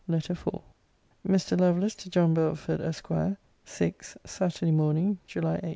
LETTER IV MR. LOVELACE, TO JOHN BELFORD, ESQ. SIX, SATURDAY MORNING, JULY 8.